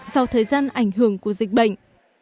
sau thời gian ảnh hưởng của dịch bệnh